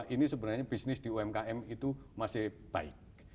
ini sebenarnya bisnis di umkm itu masih baik